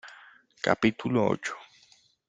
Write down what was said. capítulo ocho.